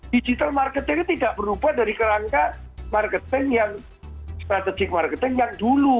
digital marketing itu tidak berubah dari kerangka marketing yang strategic marketing yang dulu